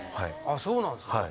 そうなんですね。